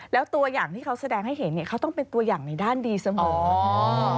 แล้วตัวอย่างที่เขาแสดงให้เห็นเนี่ยเขาต้องเป็นตัวอย่างในด้านดีเสมอ